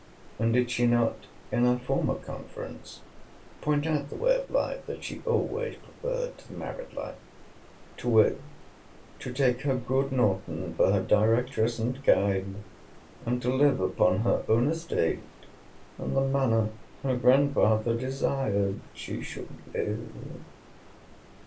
And did she not in our former conference point out the way of life, that she always preferred to the married life—to wit, 'To take her good Norton for her directress and guide, and to live upon her own estate in the manner her grandfather desired she should live?